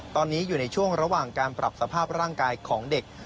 ตอนนี้อยู่ในช่วงระหว่างการปรับสภาพร่างกายของเด็ก